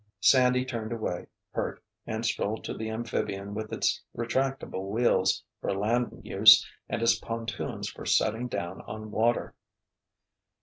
Sandy turned away, hurt, and strolled to the amphibian with its retractable wheels for land use and its pontoons for setting down on water.